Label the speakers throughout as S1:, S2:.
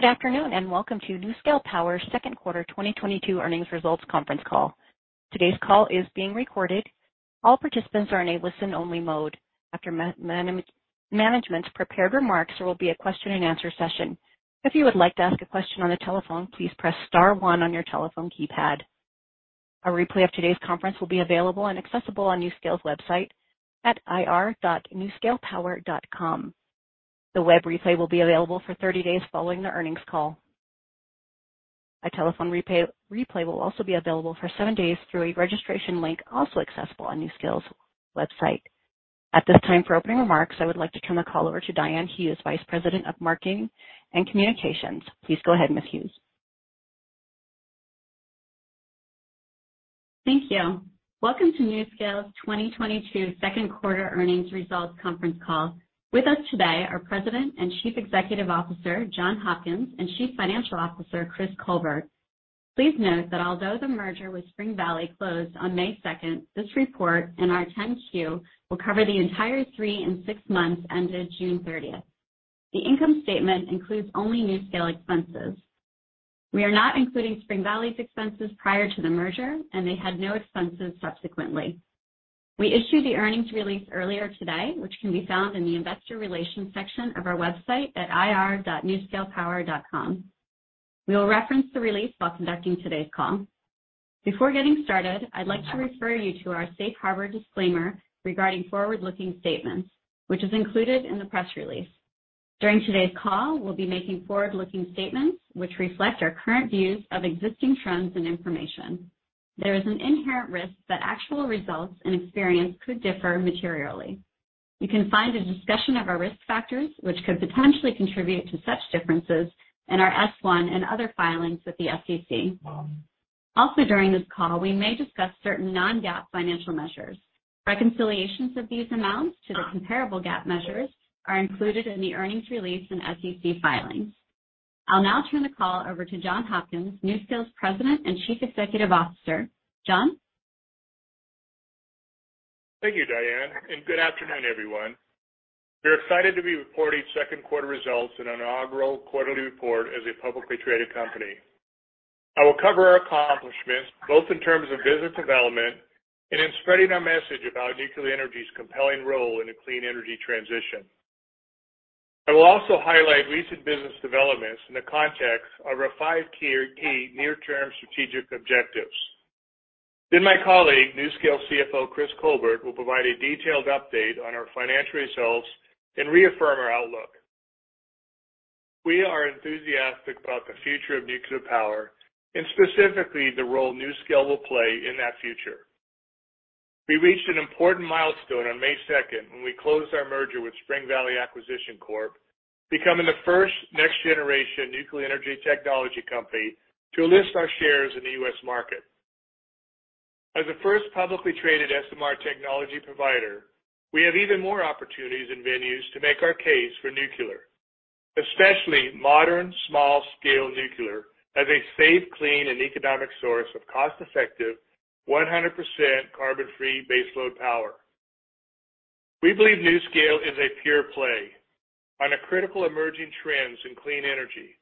S1: Good afternoon, and welcome to NuScale Power Q2 2022 Earnings Results Conference Call. Today's call is being recorded. All participants are in a listen-only mode. After management's prepared remarks, there will be a question-and-answer session. If you would like to ask a question on the telephone, please press star one on your telephone keypad. A replay of today's conference will be available and accessible on NuScale's website at ir.nuscalepower.com. The web replay will be available for 30 days following the earnings call. A telephone replay will also be available for seven days through a registration link also accessible on NuScale's website. At this time, for opening remarks, I would like to turn the call over to Diane Hughes, Vice President of Marketing and Communications. Please go ahead, Ms. Hughes.
S2: Thank you. Welcome to NuScale's 2022 Q2 earnings results conference call. With us today are President and Chief Executive Officer, John Hopkins, and Chief Financial Officer, Chris Colbert. Please note that although the merger with Spring Valley closed on 2 May, this report and our 10-Q will cover the entire three and six months ended 30 June. The income statement includes only NuScale expenses. We are not including Spring Valley's expenses prior to the merger, and they had no expenses subsequently. We issued the earnings release earlier today, which can be found in the investor relations section of our website at ir.nuscalepower.com. We will reference the release while conducting today's call. Before getting started, I'd like to refer you to our safe harbor disclaimer regarding forward-looking statements, which is included in the press release. During today's call, we'll be making forward-looking statements which reflect our current views of existing trends and information. There is an inherent risk that actual results and experience could differ materially. You can find a discussion of our risk factors, which could potentially contribute to such differences in our S-1 and other filings with the SEC. Also, during this call, we may discuss certain non-GAAP financial measures. Reconciliations of these amounts to the comparable GAAP measures are included in the earnings release and SEC filings. I'll now turn the call over to John Hopkins, NuScale's President and Chief Executive Officer. John?
S3: Thank you, Diane, and good afternoon, everyone. We're excited to be reporting Q2 results in an inaugural quarterly report as a publicly traded company. I will cover our accomplishments both in terms of business development and in spreading our message about nuclear energy's compelling role in a clean energy transition. I will also highlight recent business developments in the context of our five key near-term strategic objectives. Then my colleague, NuScale CFO, Chris Colbert, will provide a detailed update on our financial results and reaffirm our outlook. We are enthusiastic about the future of nuclear power and specifically the role NuScale will play in that future. We reached an important milestone on May second when we closed our merger with Spring Valley Acquisition Corp, becoming the first next-generation nuclear energy technology company to list our shares in the U.S. market. As the first publicly traded SMR technology provider, we have even more opportunities and venues to make our case for nuclear, especially modern, small-scale nuclear, as a safe, clean, and economic source of cost-effective, 100% carbon-free baseload power. We believe NuScale is a pure play on a critical emerging trends in clean energy,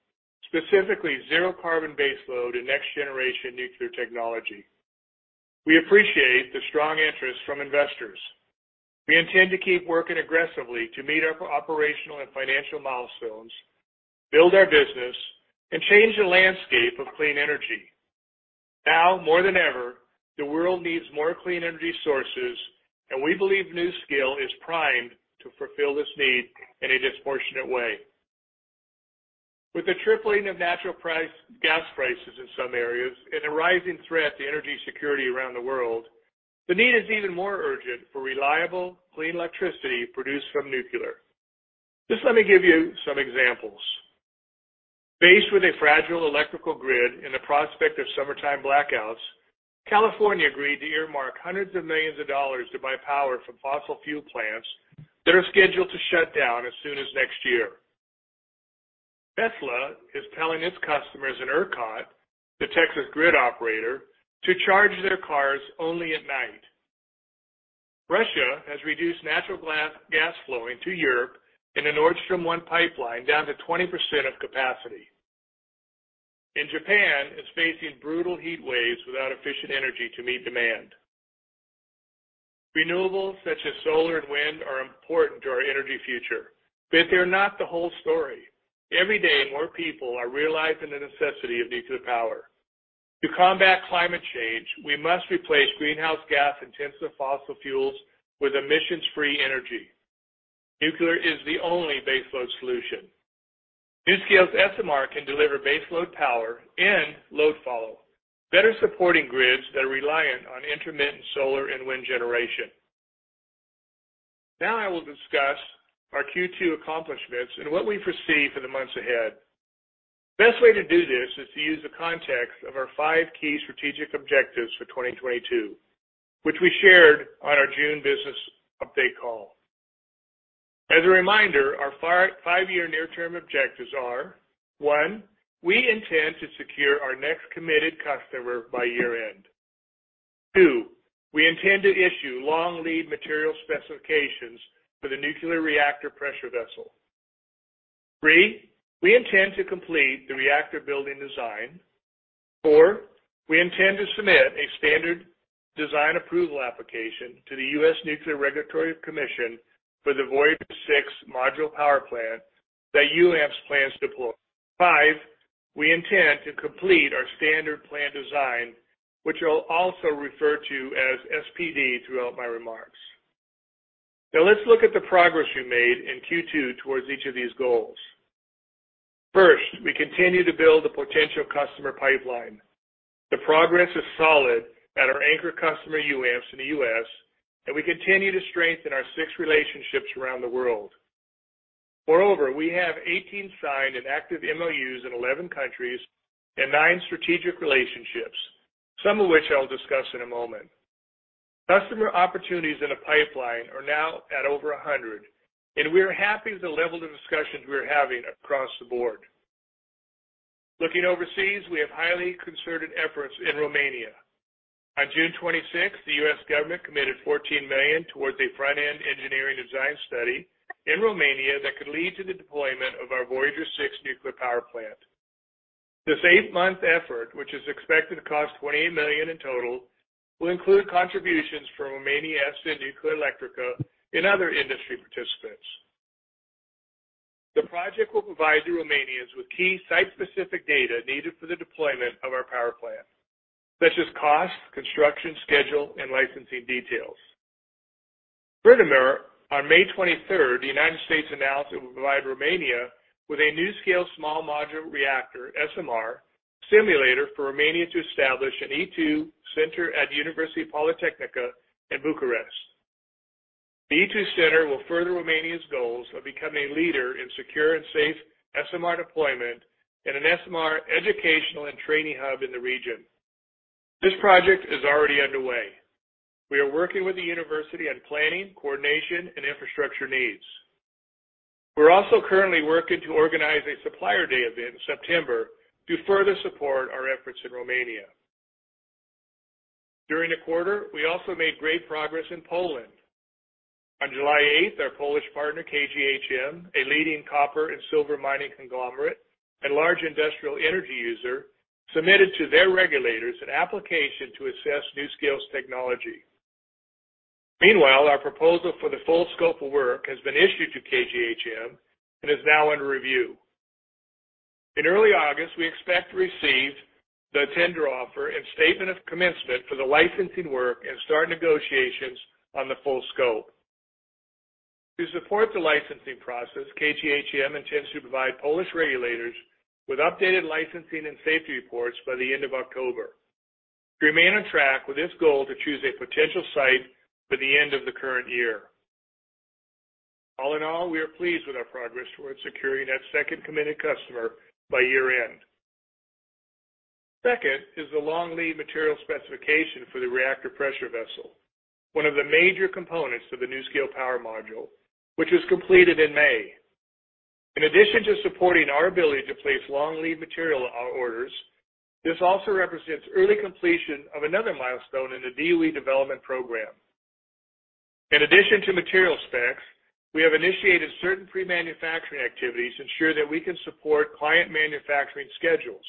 S3: specifically zero carbon baseload and next-generation nuclear technology. We appreciate the strong interest from investors. We intend to keep working aggressively to meet our operational and financial milestones, build our business, and change the landscape of clean energy. Now more than ever, the world needs more clean energy sources, and we believe NuScale is primed to fulfill this need in a disproportionate way. With the tripling of natural gas prices in some areas and a rising threat to energy security around the world, the need is even more urgent for reliable, clean electricity produced from nuclear. Just let me give you some examples. Faced with a fragile electrical grid and the prospect of summertime blackouts, California agreed to earmark hundreds of millions of dollars to buy power from fossil fuel plants that are scheduled to shut down as soon as next year. Tesla is telling its customers in ERCOT, the Texas grid operator, to charge their cars only at night. Russia has reduced natural gas flowing to Europe in the Nord Stream 1 pipeline down to 20% of capacity. Japan is facing brutal heat waves without efficient energy to meet demand. Renewables such as solar and wind are important to our energy future, but they're not the whole story. Every day, more people are realizing the necessity of nuclear power. To combat climate change, we must replace greenhouse gas-intensive fossil fuels with emissions-free energy. Nuclear is the only baseload solution. NuScale's SMR can deliver baseload power and load follow, better supporting grids that are reliant on intermittent solar and wind generation. Now I will discuss our Q2 accomplishments and what we foresee for the months ahead. Best way to do this is to use the context of our five key strategic objectives for 2022, which we shared on our June business update call. As a reminder, our five-year near-term objectives are. One, we intend to secure our next committed customer by year-end. Two, we intend to issue long lead material specifications for the nuclear reactor pressure vessel. Three, we intend to complete the reactor building design. Four, we intend to submit a standard design approval application to the U.S. Nuclear Regulatory Commission for the Voyager Six module power plant that UAMPS plans to deploy. Five, we intend to complete our standard plant design, which I'll also refer to as SPD throughout my remarks. Now let's look at the progress we made in Q2 towards each of these goals. First, we continue to build the potential customer pipeline. The progress is solid at our anchor customer, UAMPS, in the US, and we continue to strengthen our six relationships around the world. Moreover, we have 18 signed and active MOUs in 11 countries and nine strategic relationships, some of which I'll discuss in a moment. Customer opportunities in the pipeline are now at over 100, and we are happy with the level of discussions we are having across the board. Looking overseas, we have highly concerted efforts in Romania. On 26 June, the U.S. government committed $14 million towards a front-end engineering design study in Romania that could lead to the deployment of our Voyager Six nuclear power plant. This eight-month effort, which is expected to cost $28 million in total, will include contributions from Romania's and Nuclearelectrica and other industry participants. The project will provide the Romanians with key site-specific data needed for the deployment of our power plant, such as cost, construction schedule, and licensing details. Furthermore, on 23 May, the United States announced it would provide Romania with a NuScale Small Modular Reactor, SMR, simulator for Romania to establish an E2 Center at the Politehnica University of Bucharest. The E2 Center will further Romania's goals of becoming a leader in secure and safe SMR deployment and an SMR educational and training hub in the region. This project is already underway. We are working with the university on planning, coordination, and infrastructure needs. We're also currently working to organize a supplier day event in September to further support our efforts in Romania. During the quarter, we also made great progress in Poland. On 8 July, our Polish partner, KGHM, a leading copper and silver mining conglomerate and large industrial energy user, submitted to their regulators an application to assess NuScale's technology. Meanwhile, our proposal for the full scope of work has been issued to KGHM and is now under review. In early August, we expect to receive the tender offer and statement of commencement for the licensing work and start negotiations on the full scope. To support the licensing process, KGHM intends to provide Polish regulators with updated licensing and safety reports by the end of October. We remain on track with this goal to choose a potential site by the end of the current year. All in all, we are pleased with our progress towards securing that second committed customer by year-end. Second is the long-lead material specification for the reactor pressure vessel, one of the major components of the NuScale Power module, which was completed in May. In addition to supporting our ability to place long lead material orders, this also represents early completion of another milestone in the DOE development program. In addition to material specs, we have initiated certain pre-manufacturing activities to ensure that we can support client manufacturing schedules.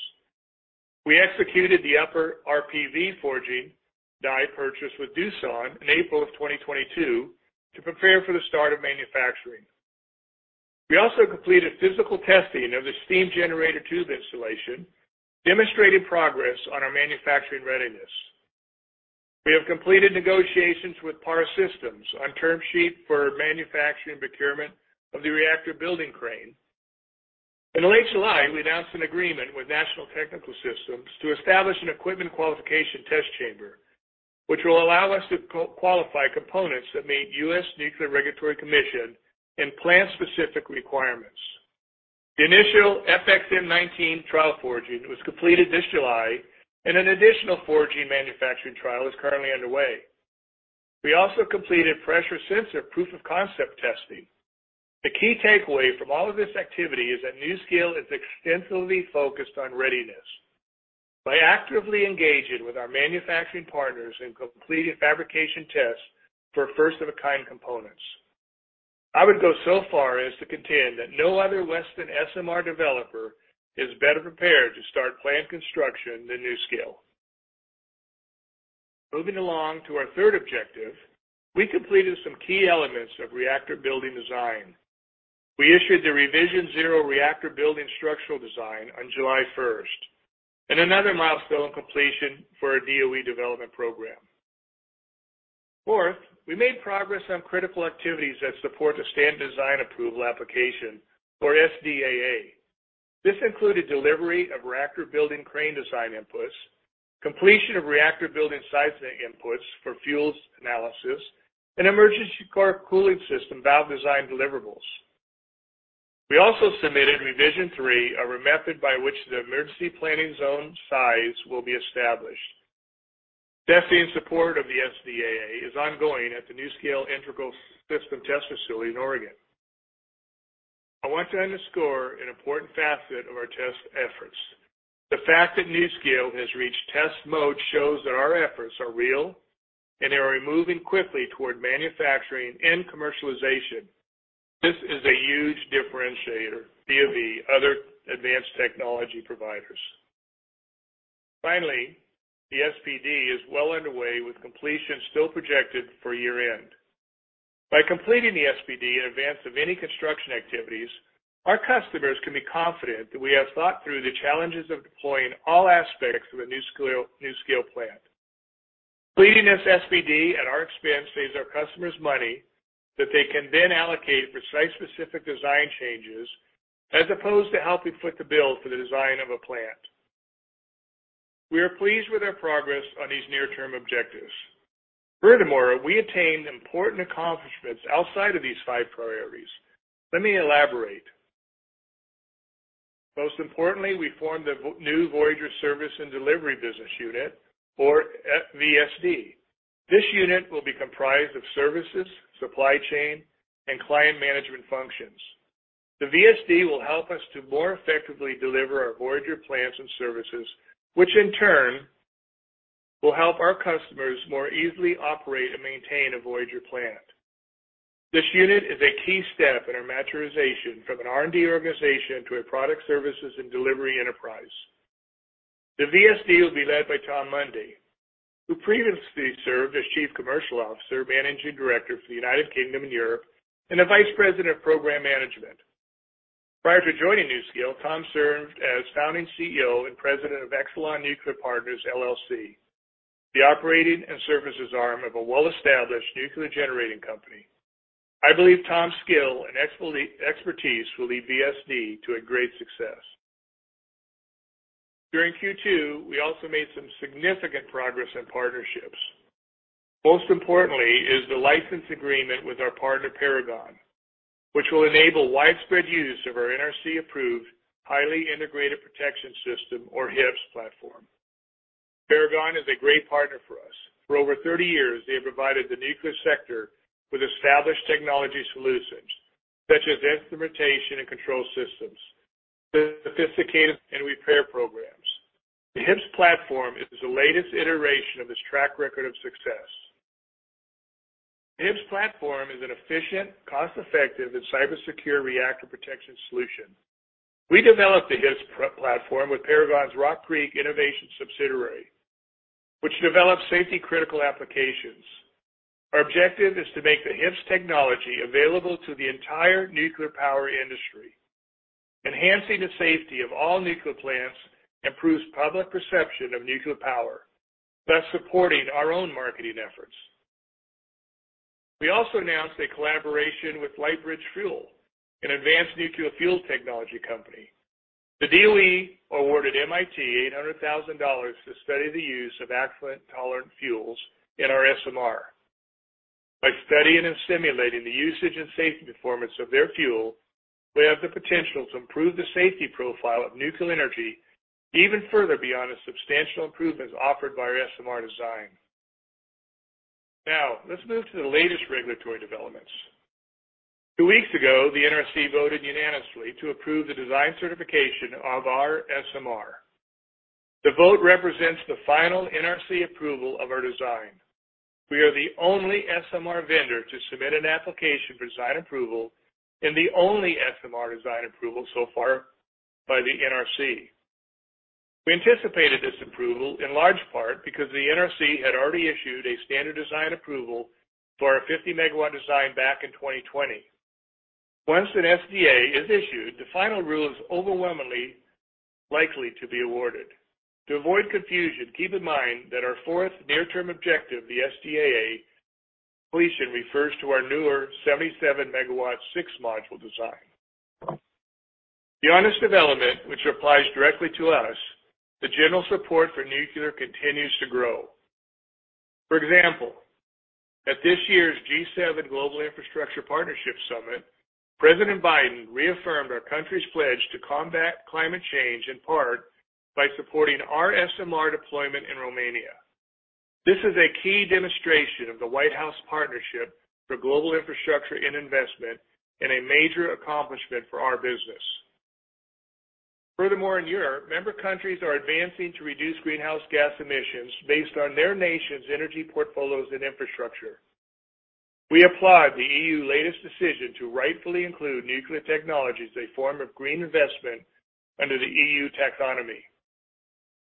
S3: We executed the upper RPV forging dye purchase with Doosan in April 2022 to prepare for the start of manufacturing. We also completed physical testing of the steam generator tube installation, demonstrating progress on our manufacturing readiness. We have completed negotiations with PaR Systems on term sheet for manufacturing procurement of the reactor building crane. In late July, we announced an agreement with National Technical Systems to establish an equipment qualification test chamber, which will allow us to qualify components that meet U.S. Nuclear Regulatory Commission and plant-specific requirements. The initial FXM-nineteen trial forging was completed this July, and an additional forging manufacturing trial is currently underway. We also completed pressure sensor proof of concept testing. The key takeaway from all of this activity is that NuScale is extensively focused on readiness by actively engaging with our manufacturing partners and completing fabrication tests for first-of-a-kind components. I would go so far as to contend that no other Western SMR developer is better prepared to start plant construction than NuScale. Moving along to our third objective, we completed some key elements of reactor building design. We issued the Revision Zero reactor building structural design on 1 July, and another milestone completion for our DOE development program. Fourth, we made progress on critical activities that support the Standard Design Approval Application, or SDAA. This included delivery of reactor building crane design inputs, completion of reactor building seismic inputs for fuels analysis, and emergency core cooling system valve design deliverables. We also submitted Revision Three, a method by which the emergency planning zone size will be established. Testing in support of the SDAA is ongoing at the NuScale Integral System Test Facility in Oregon. I want to underscore an important facet of our test efforts. The fact that NuScale has reached test mode shows that our efforts are real, and they are moving quickly toward manufacturing and commercialization. This is a huge differentiator versus the other advanced technology providers. Finally, the SPD is well underway with completion still projected for year-end. By completing the SPD in advance of any construction activities, our customers can be confident that we have thought through the challenges of deploying all aspects of a NuScale plant. Completing this SPD at our expense saves our customers money that they can then allocate for site-specific design changes, as opposed to helping foot the bill for the design of a plant. We are pleased with our progress on these near-term objectives. Furthermore, we attained important accomplishments outside of these five priorities. Let me elaborate. Most importantly, we formed the new Voyager Service and Delivery business unit or VSD. This unit will be comprised of services, supply chain, and client management functions. The VSD will help us to more effectively deliver our Voyager plants and services, which in turn will help our customers more easily operate and maintain a Voyager plant. This unit is a key step in our maturation from an R&D organization to a products, services, and delivery enterprise. The VSD will be led by Tom Munday, who previously served as Chief Commercial Officer, Managing Director for the United Kingdom and Europe, and Vice President of Program Management. Prior to joining NuScale, Tom served as Founding CEO and President of Exelon Nuclear Partners, LLC, the operating and services arm of a well-established nuclear generating company. I believe Tom's skills and extensive expertise will lead VSD to a great success. During Q2, we also made some significant progress in partnerships. Most importantly is the license agreement with our partner, Paragon, which will enable widespread use of our NRC-approved Highly Integrated Protection System, or HIPS platform. Paragon is a great partner for us. For over 30 years, they have provided the nuclear sector with established technology solutions such as instrumentation and control systems, sophisticated and repair programs. The HIPS platform is the latest iteration of its track record of success. The HIPS platform is an efficient, cost-effective, and cybersecure reactor protection solution. We developed the HIPS platform with Paragon's Rock Creek Innovations subsidiary, which develops safety-critical applications. Our objective is to make the HIPS technology available to the entire nuclear power industry. Enhancing the safety of all nuclear plants improves public perception of nuclear power, thus supporting our own marketing efforts. We also announced a collaboration with Lightbridge Fuel, an advanced nuclear fuel technology company. The DOE awarded MIT $800,000 to study the use of accident-tolerant fuels in our SMR. By studying and simulating the usage and safety performance of their fuel, we have the potential to improve the safety profile of nuclear energy even further beyond the substantial improvements offered by our SMR design. Now, let's move to the latest regulatory developments. Two weeks ago, the NRC voted unanimously to approve the design certification of our SMR. The vote represents the final NRC approval of our design. We are the only SMR vendor to submit an application for design approval and the only SMR design approval so far by the NRC. We anticipated this approval in large part because the NRC had already issued a standard design approval for our 50MW design back in 2020. Once an SDA is issued, the final rule is overwhelmingly likely to be awarded. To avoid confusion, keep in mind that our fourth near-term objective, the SDAA completion, refers to our newer 77MW six-module design. Beyond this development, which applies directly to us, the general support for nuclear continues to grow. For example, at this year's G7 Partnership for Global Infrastructure and Investment Summit, President Biden reaffirmed our country's pledge to combat climate change, in part by supporting our SMR deployment in Romania. This is a key demonstration of the White House Partnership for Global Infrastructure and Investment and a major accomplishment for our business. Furthermore, in Europe, member countries are advancing to reduce greenhouse gas emissions based on their nation's energy portfolios and infrastructure. We applaud the EU's latest decision to rightfully include nuclear technology as a form of green investment under the EU Taxonomy.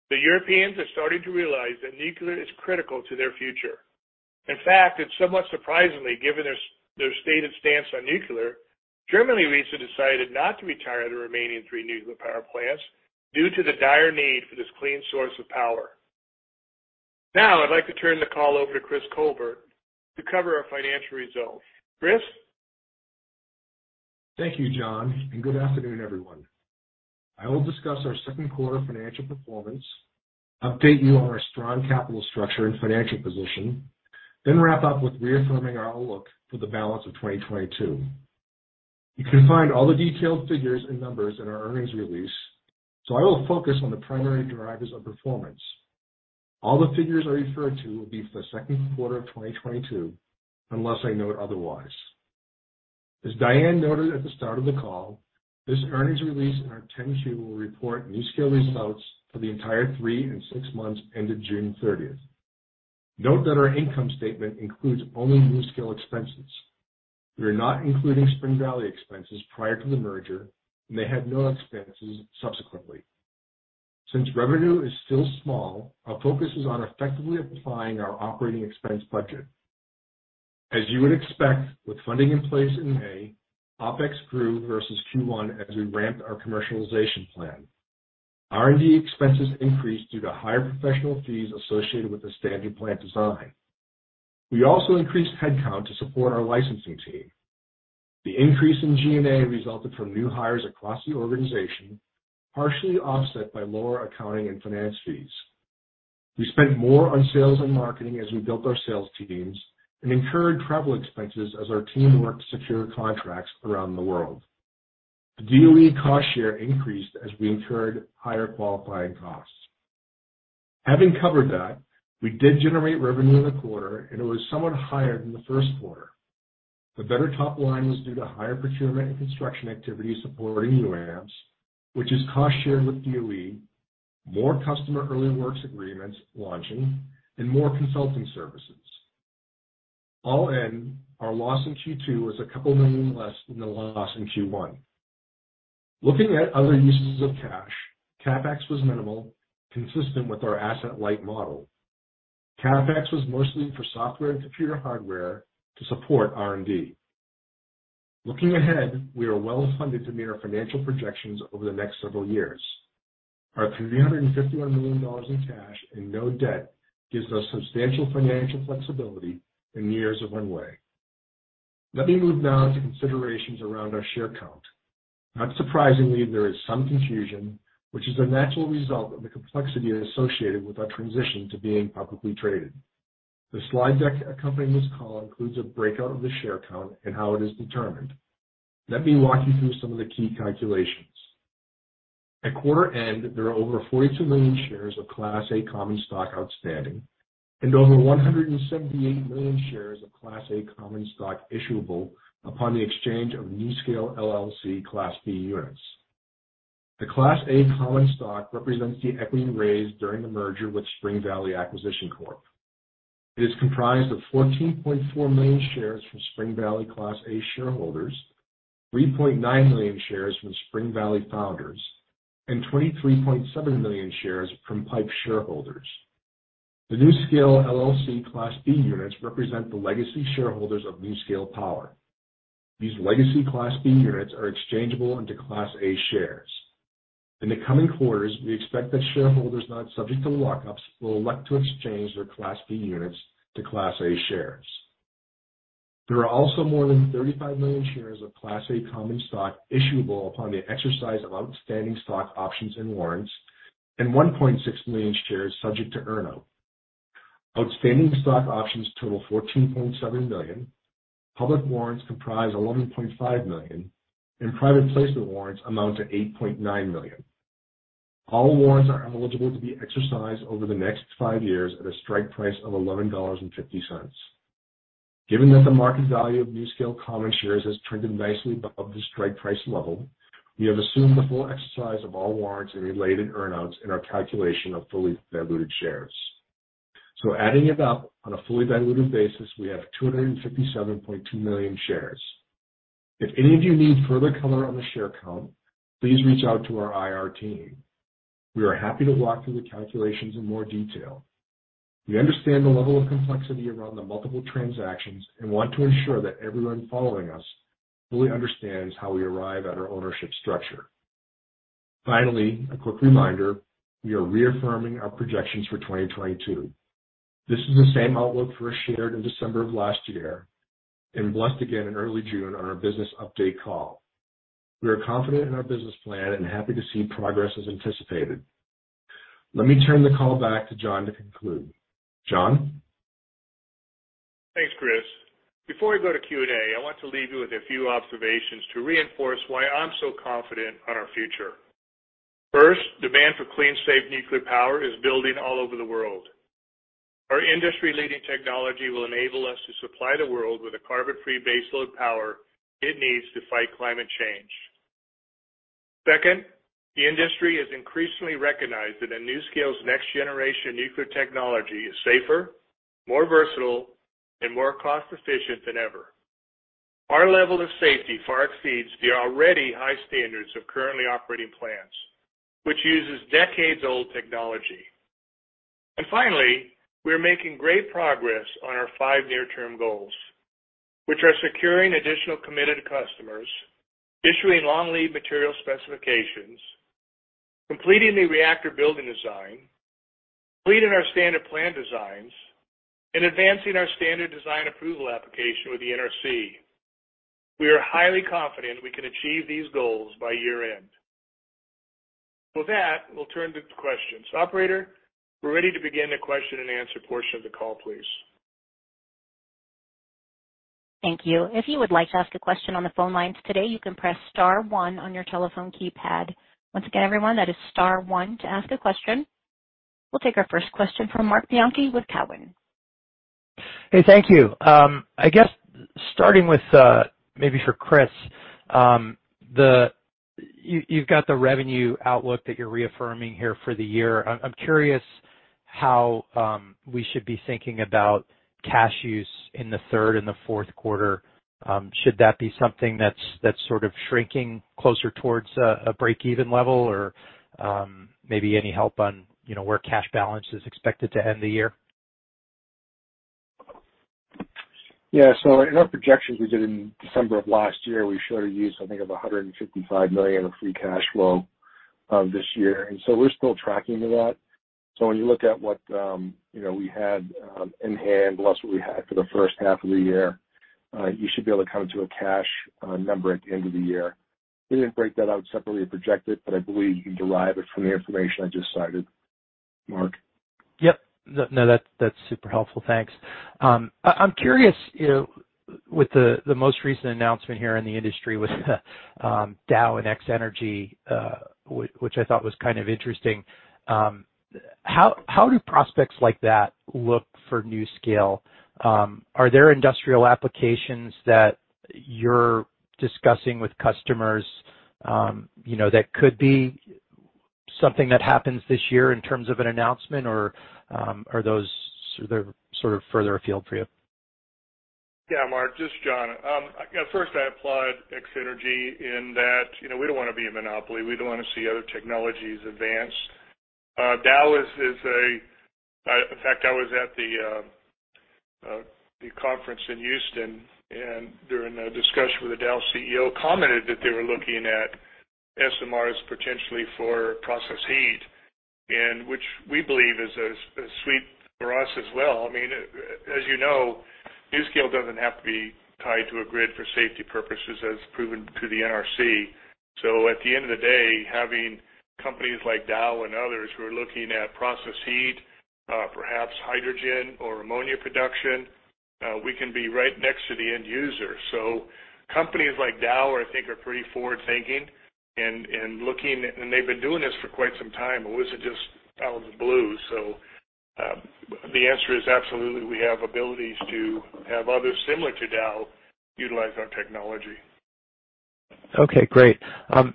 S3: The Europeans are starting to realize that nuclear is critical to their future. In fact, it's somewhat surprisingly, given their stated stance on nuclear, Germany recently decided not to retire the remaining three nuclear power plants due to the dire need for this clean source of power. Now I'd like to turn the call over to Chris Colbert to cover our financial results. Chris?
S4: Thank you, John, and good afternoon, everyone. I will discuss our Q2 financial performance, update you on our strong capital structure and financial position, then wrap up with reaffirming our outlook for the balance of 2022. You can find all the detailed figures and numbers in our earnings release, so I will focus on the primary drivers of performance. All the figures I refer to will be for the Q2 of 2022, unless I note otherwise. As Diane noted at the start of the call, this earnings release and our 10-Q will report NuScale results for the entire three and six months ended 30 June. Note that our income statement includes only NuScale expenses. We are not including Spring Valley expenses prior to the merger, and they had no expenses subsequently. Since revenue is still small, our focus is on effectively applying our operating expense budget. As you would expect with funding in place in May, OpEx grew versus Q1 as we ramped our commercialization plan. R&D expenses increased due to higher professional fees associated with the standard plant design. We also increased headcount to support our licensing team. The increase in GMA resulted from new hires across the organization, partially offset by lower accounting and finance fees. We spent more on sales and marketing as we built our sales teams and incurred travel expenses as our team worked to secure contracts around the world. The DOE cost share increased as we incurred higher qualifying costs. Having covered that, we did generate revenue in the quarter, and it was somewhat higher than the Q1. The better top line was due to higher procurement and construction activity supporting new AMS, which is cost shared with DOE, more customer early works agreements launching, and more consulting services. All in, our loss in Q2 was $2 million less than the loss in Q1. Looking at other uses of cash, CapEx was minimal, consistent with our asset-light model. CapEx was mostly for software and computer hardware to support R&D. Looking ahead, we are well-funded to meet our financial projections over the next several years. Our $351 million in cash and no debt gives us substantial financial flexibility in years of runway. Let me move now to considerations around our share count. Not surprisingly, there is some confusion, which is a natural result of the complexity associated with our transition to being publicly traded. The slide deck accompanying this call includes a breakout of the share count and how it is determined. Let me walk you through some of the key calculations. At quarter end, there are over 42 million shares of Class A common stock outstanding and over 178 million shares of Class A common stock issuable upon the exchange of NuScale LLC Class B units. The Class A common stock represents the equity raised during the merger with Spring Valley Acquisition Corp. It is comprised of 14.4 million shares from Spring Valley Class A shareholders, 3.9 million shares from Spring Valley founders, and 23.7 million shares from PIPE shareholders. The NuScale Power, LLC Class B units represent the legacy shareholders of NuScale Power. These legacy Class B units are exchangeable into Class A shares. In the coming quarters, we expect that shareholders not subject to lockups will elect to exchange their Class B units to Class A shares. There are also more than 35 million shares of Class A common stock issuable upon the exercise of outstanding stock options and warrants and 1.6 million shares subject to earnout. Outstanding stock options total 14.7 million, public warrants comprise 11.5 million, and private placement warrants amount to 8.9 million. All warrants are eligible to be exercised over the next five years at a strike price of $11.50. Given that the market value of NuScale common shares has trended nicely above the strike price level, we have assumed the full exercise of all warrants and related earnouts in our calculation of fully diluted shares. Adding it up on a fully diluted basis, we have 257.2 million shares. If any of you need further color on the share count, please reach out to our IR team. We are happy to walk through the calculations in more detail. We understand the level of complexity around the multiple transactions and want to ensure that everyone following us fully understands how we arrive at our ownership structure. Finally, a quick reminder, we are reaffirming our projections for 2022. This is the same outlook first shared in December of last year and blessed again in early June on our business update call. We are confident in our business plan and happy to see progress as anticipated. Let me turn the call back to John to conclude. John?
S3: Thanks, Chris. Before we go to Q&A, I want to leave you with a few observations to reinforce why I'm so confident on our future. First, demand for clean, safe nuclear power is building all over the world. Our industry-leading technology will enable us to supply the world with the carbon-free baseload power it needs to fight climate change. Second, the industry has increasingly recognized that NuScale's next-generation nuclear technology is safer, more versatile, and more cost-efficient than ever. Our level of safety far exceeds the already high standards of currently operating plants, which uses decades-old technology. Finally, we are making great progress on our five near-term goals, which are securing additional committed customers, issuing long lead material specifications, completing the reactor building design, completing our standard plant designs, and advancing our standard design approval application with the NRC. We are highly confident we can achieve these goals by year-end. With that, we'll turn to questions. Operator, we're ready to begin the question-and-answer portion of the call, please.
S1: Thank you. If you would like to ask a question on the phone lines today, you can press star one on your telephone keypad. Once again, everyone, that is star one to ask a question. We'll take our first question from Marc Bianchi with Cowen.
S5: Hey, thank you. I guess starting with maybe for Chris, you've got the revenue outlook that you're reaffirming here for the year. I'm curious how we should be thinking about cash use in the Q3 and the Q4. Should that be something that's sort of shrinking closer towards a break-even level? Or maybe any help on, you know, where cash balance is expected to end the year?
S4: Yeah. In our projections we did in December of last year, we showed a use, I think, of $155 million of free cash flow this year. We're still tracking to that. When you look at what you know we had in hand, plus what we had for the first half of the year, you should be able to come to a cash number at the end of the year. We didn't break that out separately or project it, but I believe you can derive it from the information I just cited, Marc.
S5: Yep. No, no, that's super helpful. Thanks. I'm curious, you know, with the most recent announcement here in the industry with Dow and X-energy, which I thought was kind of interesting, how do prospects like that look for NuScale? Are there industrial applications that you're discussing with customers, you know, that could be something that happens this year in terms of an announcement? Or, are those sort of further afield for you?
S3: Yeah, Mark, this is John. First, I applaud X-energy in that, you know, we don't wanna be a monopoly. We do wanna see other technologies advance. Dow is a. In fact, I was at the conference in Houston, and during a discussion with the Dow CEO commented that they were looking at SMRs potentially for process heat, and which we believe is a sweet spot for us as well. I mean, as you know, NuScale doesn't have to be tied to a grid for safety purposes, as proven to the NRC. At the end of the day, having companies like Dow and others who are looking at process heat, perhaps hydrogen or ammonia production, we can be right next to the end user. Companies like Dow, I think, are pretty forward-thinking and they've been doing this for quite some time. It wasn't just out of the blue. The answer is absolutely, we have abilities to have others similar to Dow utilize our technology.
S5: Okay, great.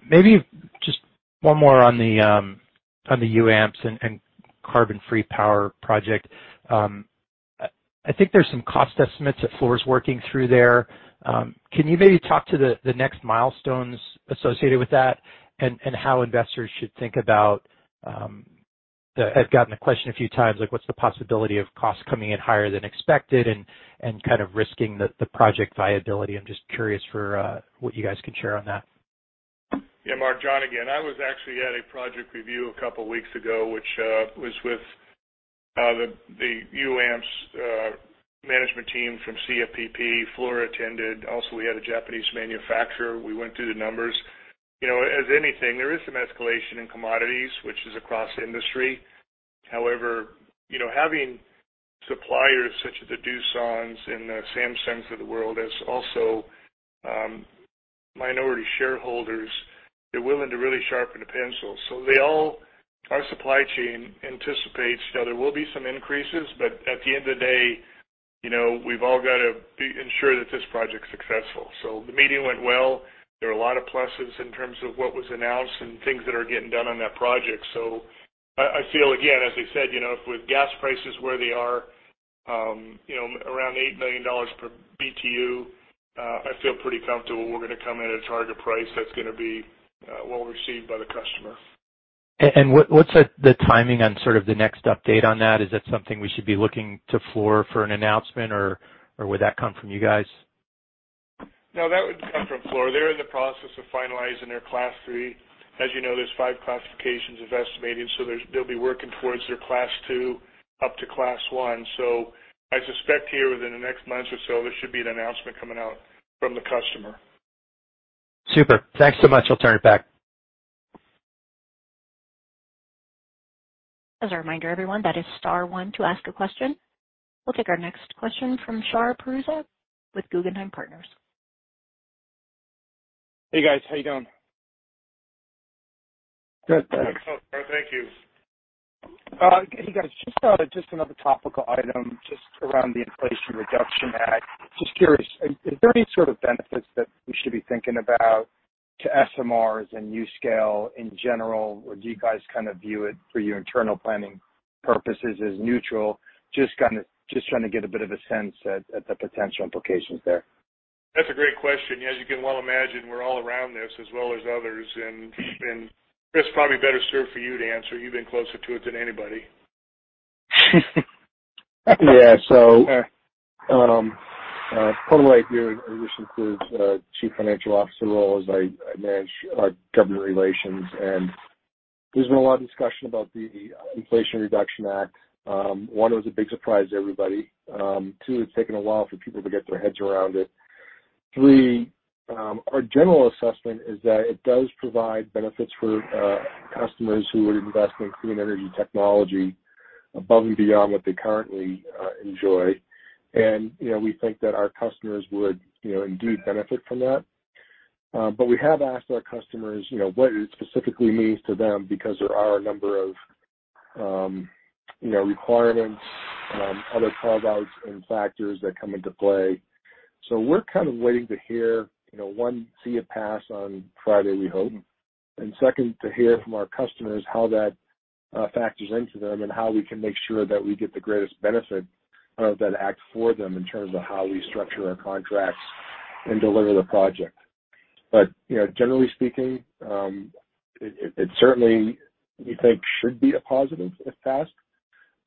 S5: Maybe just one more on the UAMPS and carbon-free power project. I think there's some cost estimates that Fluor's working through there. Can you maybe talk to the next milestones associated with that and how investors should think about. I've gotten the question a few times, like, what's the possibility of costs coming in higher than expected and kind of risking the project viability? I'm just curious for what you guys can share on that.
S3: Yeah, Mark, John again. I was actually at a project review a couple weeks ago, which was with the UAMPS management team from CFPP. Fluor attended. Also, we had a Japanese manufacturer. We went through the numbers. You know, as with anything, there is some escalation in commodities, which is across industry. However, you know, having suppliers such as the Doosan and the Samsung of the world and also minority shareholders, they're willing to really sharpen the pencil. Our supply chain anticipates, you know, there will be some increases, but at the end of the day, you know, we've all got to ensure that this project's successful. The meeting went well. There are a lot of pluses in terms of what was announced and things that are getting done on that project. I feel, again, as I said, you know, with gas prices where they are, you know, around $8 million per Btu, I feel pretty comfortable we're gonna come in at a target price that's gonna be well received by the customer.
S5: What's the timing on sort of the next update on that? Is that something we should be looking to floor for an announcement, or would that come from you guys?
S3: No, that would come from Fluor. They're in the process of finalizing their Class three. As you know, there's five classifications of estimating, so they'll be working towards their Class two up to Class one. I suspect here within the next month or so, there should be an announcement coming out from the customer.
S5: Super. Thanks so much. I'll turn it back.
S1: As a reminder, everyone, that is star one to ask a question. We'll take our next question from Shar Pourreza with Guggenheim Partners.
S6: Hey, guys. How you doing?
S4: Good.
S3: Thank you.
S6: Hey, guys. Just another topical item just around the Inflation Reduction Act. Just curious, are there any sort of benefits that we should be thinking about to SMRs and NuScale in general? Or do you guys kind of view it for your internal planning purposes as neutral? Just trying to get a bit of a sense at the potential implications there.
S3: That's a great question. As you can well imagine, we're all around this as well as others. Chris, probably better served for you to answer. You've been closer to it than anybody.
S4: Yeah. Part of what I do in addition to the Chief Financial Officer role is I manage our government relations, and there's been a lot of discussion about the Inflation Reduction Act. One, it was a big surprise to everybody. Two, it's taken a while for people to get their heads around it. Three, our general assessment is that it does provide benefits for customers who would invest in clean energy technology above and beyond what they currently enjoy. You know, we think that our customers would, you know, indeed benefit from that. We have asked our customers, you know, what it specifically means to them because there are a number of, you know, requirements, other carve-outs and factors that come into play. We're kind of waiting to hear, you know, one, see it pass on Friday, we hope. Second, to hear from our customers how that factors into them and how we can make sure that we get the greatest benefit of that act for them in terms of how we structure our contracts and deliver the project. You know, generally speaking, it certainly, we think should be a positive if passed.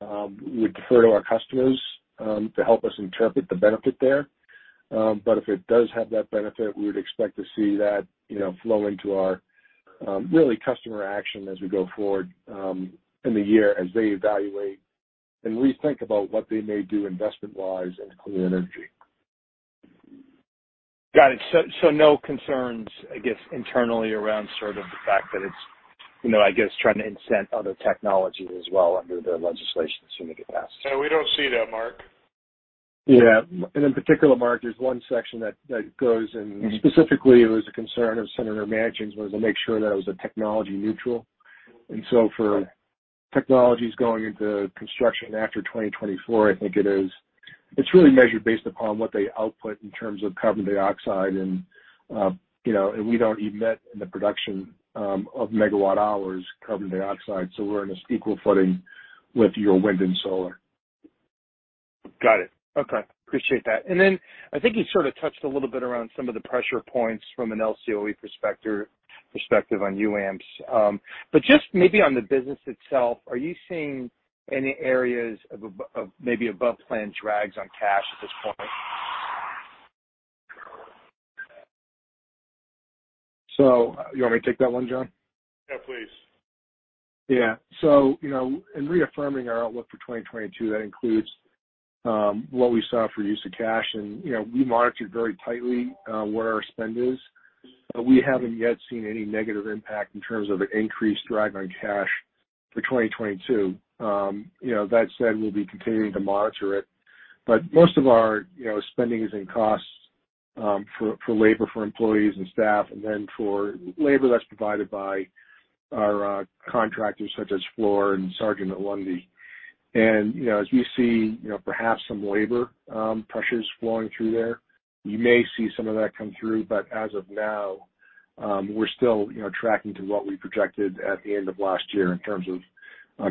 S4: We defer to our customers to help us interpret the benefit there. If it does have that benefit, we would expect to see that, you know, flow into our really customer action as we go forward in the year as they evaluate and rethink about what they may do investment-wise in clean energy.
S6: Got it. No concerns, I guess, internally around sort of the fact that it's, you know, I guess, trying to incent other technologies as well under the legislation assuming it gets passed?
S3: No, we don't see that, Marc.
S4: In particular, Marc, there's one section that goes.
S6: Mm-hmm.
S4: Specifically, it was a concern of Senator Manchin's, was to make sure that it was a technology neutral. For technologies going into construction after 2024, I think it is, it's really measured based upon what they output in terms of carbon dioxide, and, you know, and we don't emit in the production of megawatt hours carbon dioxide, so we're on an equal footing with your wind and solar.
S6: Got it. Okay. Appreciate that. I think you sort of touched a little bit around some of the pressure points from an LCOE perspective on UAMPS. Just maybe on the business itself, are you seeing any areas of maybe above plan drags on cash at this point?
S4: You want me to take that one, John?
S3: Yeah, please.
S4: Yeah. You know, in reaffirming our outlook for 2022, that includes what we saw for use of cash. You know, we monitor very tightly where our spend is. We haven't yet seen any negative impact in terms of increased drag on cash for 2022. You know, that said, we'll be continuing to monitor it. Most of our, you know, spending is in costs for labor, for employees and staff and then for labor that's provided by our contractors such as Fluor and Sargent & Lundy. You know, as we see, you know, perhaps some labor pressures flowing through there, you may see some of that come through. As of now, we're still, you know, tracking to what we projected at the end of last year in terms of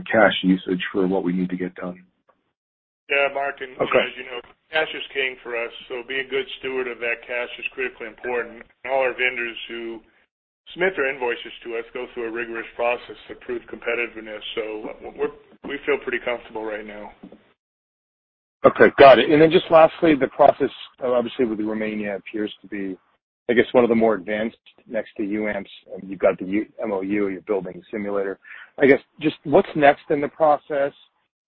S4: cash usage for what we need to get done.
S3: Yeah, Marc.
S6: Okay.
S3: As you know, cash is king for us, so being a good steward of that cash is critically important. All our vendors who submit their invoices to us go through a rigorous process to prove competitiveness, so we feel pretty comfortable right now.
S6: Okay, got it. Just lastly, the process, obviously with Romania appears to be, I guess, one of the more advanced next to UAMPS. You've got the UAMPS MOU, you're building the simulator. I guess, just what's next in the process?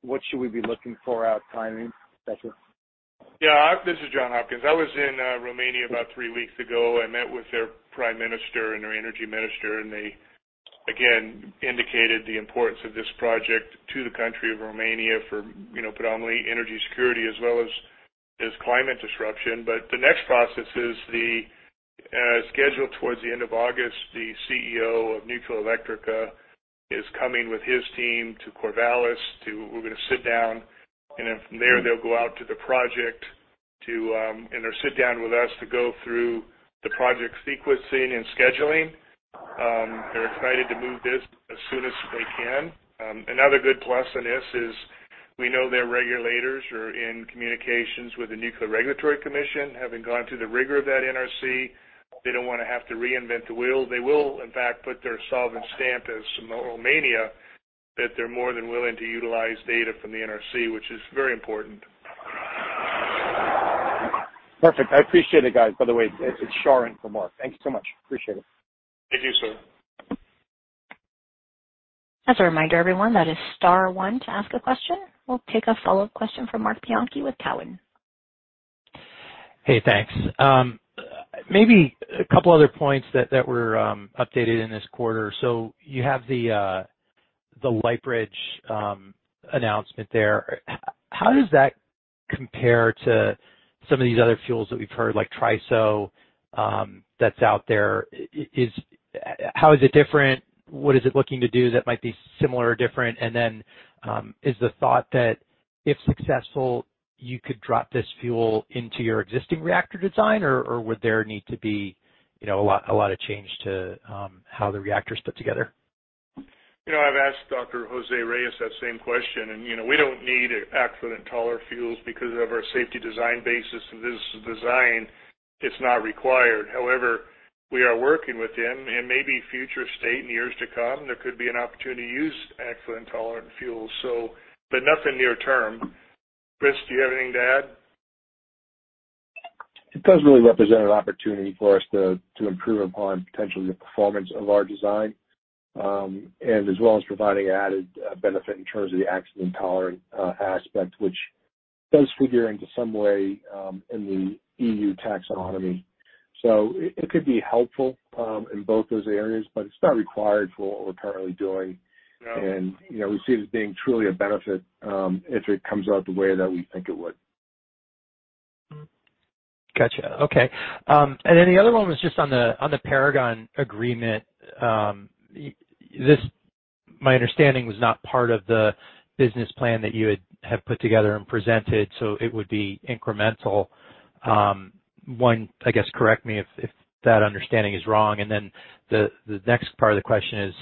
S6: What should we be looking for on timing, et cetera?
S3: Yeah. This is John Hopkins. I was in Romania about three weeks ago. I met with their prime minister and their energy minister, and they again indicated the importance of this project to the country of Romania for, you know, predominantly energy security as well as climate disruption. The next process is the schedule towards the end of August. The CEO of Nuclearelectrica is coming with his team to Corvallis. We're gonna sit down, and then from there they'll go out to the project to enter, sit down with us to go through the project sequencing and scheduling. They're excited to move this as soon as they can. Another good plus on this is we know their regulators are in communications with the Nuclear Regulatory Commission. Having gone through the rigor of that NRC, they don't wanna have to reinvent the wheel. They will in fact put their stamp of approval as Romania, that they're more than willing to utilize data from the NRC, which is very important.
S6: Perfect. I appreciate it, guys. By the way, it's Shar for Marc. Thank you so much. Appreciate it.
S3: Thank you, sir.
S1: As a reminder, everyone, that is star one to ask a question. We'll take a follow-up question from Marc Bianchi with Cowen.
S5: Hey, thanks. Maybe a couple other points that were updated in this quarter. You have the Lightbridge announcement there. How does that compare to some of these other fuels that we've heard, like TriSO, that's out there? How is it different? What is it looking to do that might be similar or different? Is the thought that if successful, you could drop this fuel into your existing reactor design or would there need to be, you know, a lot of change to how the reactor's put together?
S3: You know, I've asked Dr. José N. Reyes that same question, and, you know, we don't need accident-tolerant fuels because of our safety design basis. This design, it's not required. However, we are working with him, and maybe future state in years to come, there could be an opportunity to use accident-tolerant fuels. Nothing near term. Chris, do you have anything to add?
S4: It does really represent an opportunity for us to improve upon potentially the performance of our design, and as well as providing added benefit in terms of the accident tolerant aspect, which does figure into some way in the EU Taxonomy. It could be helpful in both those areas, but it's not required for what we're currently doing.
S3: No.
S4: You know, we see it as being truly a benefit, if it comes out the way that we think it would.
S5: Gotcha. Okay. And then the other one was just on the Paragon agreement. This, my understanding, was not part of the business plan that you have put together and presented, so it would be incremental. One, I guess correct me if that understanding is wrong. Then the next part of the question is,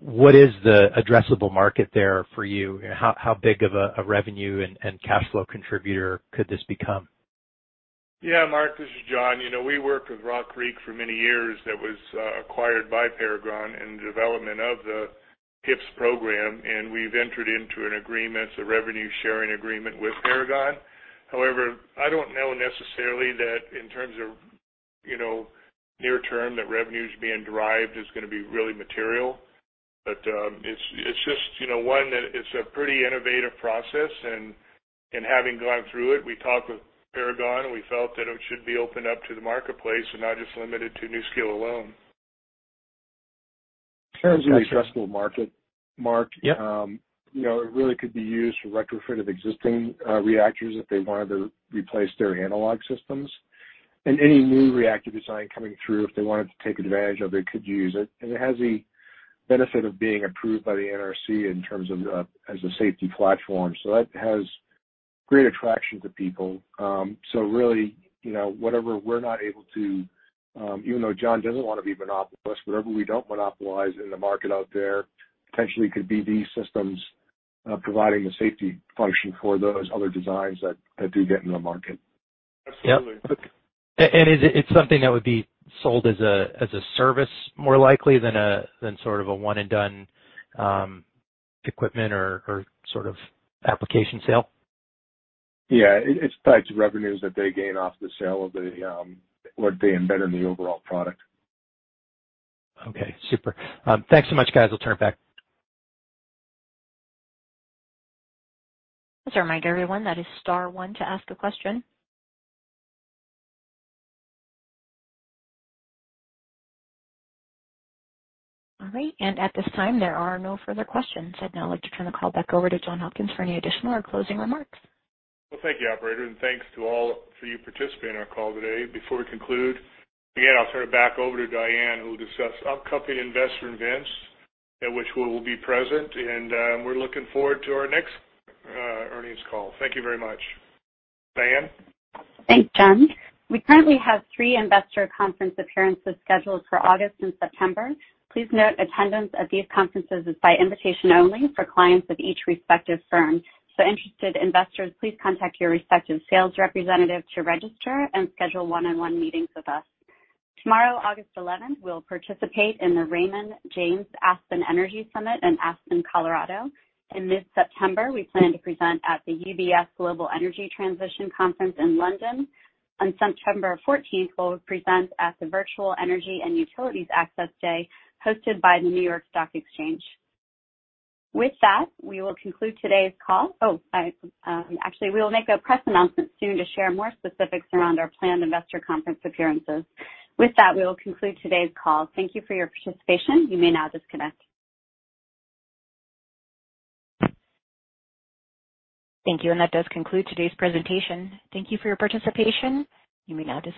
S5: what is the addressable market there for you? How big of a revenue and cash flow contributor could this become?
S3: Yeah, Mark, this is John. You know, we worked with Rock Creek for many years, that was acquired by Paragon in the development of the HIPS program, and we've entered into an agreement, it's a revenue sharing agreement with Paragon. However, I don't know necessarily that in terms of, you know, near term, that revenues being derived is gonna be really material. It's just, you know, one, it's a pretty innovative process and having gone through it, we talked with Paragon, and we felt that it should be opened up to the marketplace and not just limited to NuScale alone.
S4: In terms of the addressable market, Marc.
S5: Yep.
S4: You know, it really could be used for retrofitted existing reactors if they wanted to replace their analog systems. Any new reactor design coming through, if they wanted to take advantage of it, could use it. It has the benefit of being approved by the NRC in terms of as a safety platform, so that has great attraction to people. So really, you know, whatever we're not able to, even though John doesn't wanna be monopolistic, whatever we don't monopolize in the market out there potentially could be these systems providing the safety function for those other designs that do get in the market.
S3: Absolutely.
S5: Yep. Is it something that would be sold as a service more likely than sort of a one and done equipment or sort of application sale?
S4: Yeah. It's types of revenues that they gain off the sale of the, what they embed in the overall product.
S5: Okay. Super. Thanks so much, guys. I'll turn it back.
S1: Just a reminder, everyone, that is star one to ask a question. All right. At this time, there are no further questions. I'd now like to turn the call back over to John Hopkins for any additional or closing remarks.
S3: Well, thank you, operator, and thanks to all for you participating in our call today. Before we conclude, again, I'll turn it back over to Diane, who will discuss upcoming investor events at which we will be present, and we're looking forward to our next earnings call. Thank you very much. Diane?
S2: Thanks, John. We currently have three investor conference appearances scheduled for August and September. Please note attendance at these conferences is by invitation only for clients of each respective firm. Interested investors, please contact your respective sales representative to register and schedule one-on-one meetings with us. Tomorrow, August eleventh, we'll participate in the Raymond James Aspen Energy Summit in Aspen, Colorado. This September, we plan to present at the UBS Global Energy Transition Conference in London. On September fourteenth, we'll present at the Virtual Energy and Utilities Access Day hosted by the New York Stock Exchange. With that, we will conclude today's call. Actually, we will make a press announcement soon to share more specifics around our planned investor conference appearances. With that, we will conclude today's call. Thank you for your participation. You may now disconnect.
S1: Thank you, and that does conclude today's presentation. Thank you for your participation. You may now disconnect.